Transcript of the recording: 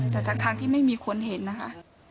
แต่จากทางที่ไม่มีคนเห็นนะฮะ